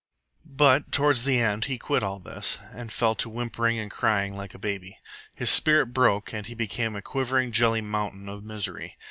"But towards the end he quit all this, and fell to whimpering and crying like a baby. His spirit broke and he became a quivering jelly mountain of misery.